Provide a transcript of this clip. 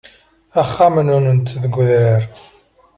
Axxam-nnunt deg udrar.